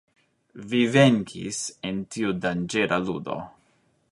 Vi venkis en tiu danĝera ludo.